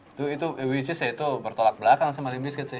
itu itu which is ya itu bertolak belakang sama limp bizkit sih